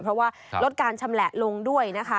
เพราะว่าลดการชำแหละลงด้วยนะคะ